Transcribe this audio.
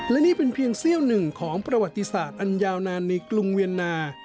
และนี่เป็นเพียงเซี่ยวหนึ่งของประวัติศาสตร์อันยาวนานในกรุงเวียนนา